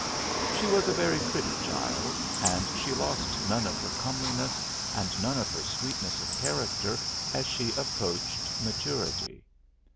She was a very pretty child, and she lost none of her comeliness and none of her sweetness of character as she approached maturity.